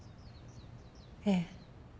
ええ。